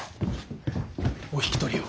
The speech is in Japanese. お引き取りを。